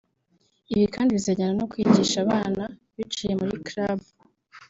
Ibi kandi bizajyana no kwigisha abana biciye muri club